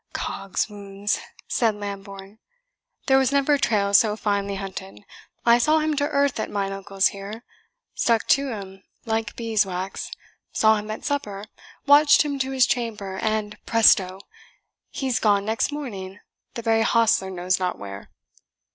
"Cogswounds!" said Lambourne, "there was never a trail so finely hunted. I saw him to earth at mine uncle's here stuck to him like bees' wax saw him at supper watched him to his chamber, and, presto! he is gone next morning, the very hostler knows not where."